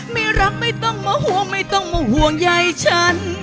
ไม่รักไม่ต้องมาห่วงไม่ต้องมาห่วงใยฉัน